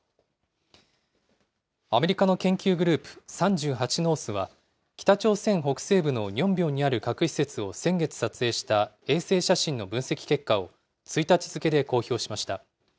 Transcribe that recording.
アメリカの研究グループ、３８ノースは北朝鮮北西部のニョンビョンにある核施設を先月撮影した衛星写真の分析結果を１日付で公表しました。